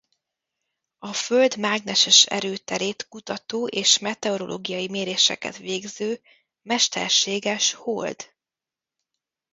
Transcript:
A Föld mágneses erőterét kutató és meteorológiai méréseket végző mesterséges hold.